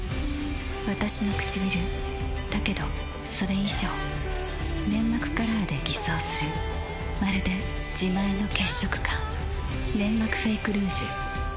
わたしのくちびるだけどそれ以上粘膜カラーで偽装するまるで自前の血色感「ネンマクフェイクルージュ」